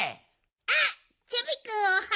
あっチョビくん